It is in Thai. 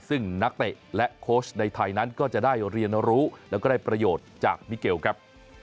ซึ่งนักเตะและโค้ชในไทยนั้นก็จะได้เรียนรู้แล้วก็ได้ประโยชน์จากมิเกลครับ